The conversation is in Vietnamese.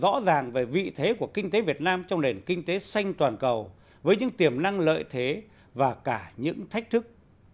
đồng thời có chiến lược ràng về vị thế của kinh tế việt nam trong nền kinh tế xanh toàn cầu với những tiềm năng lợi thế và cả những thách thức